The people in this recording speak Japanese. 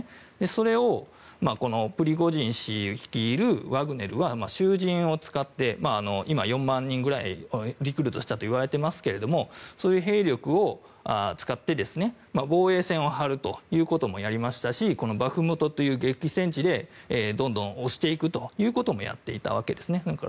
それをプリゴジン氏率いるワグネルは囚人を使って今、４万人ぐらいをリクルートしたといわれていますけれどもそういう兵力を使って、防衛線を張るということもやりましたしバフムトという激戦地でどんどん押していくということもやっていたわけです。